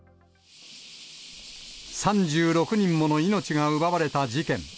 ３６人もの命が奪われた事件。